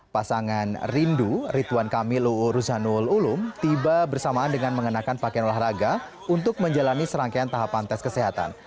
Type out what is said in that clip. pasangan rindu ritwan kamil uu ruzanul ulum tiba bersamaan dengan mengenakan pakaian olahraga untuk menjalani serangkaian tahapan tes kesehatan